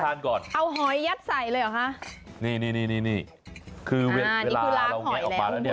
ก่อนเอาหอยยัดใส่เลยเหรอคะนี่นี่นี่นี่คือเวลาเวลาเราแงะออกมาแล้วเนี่ย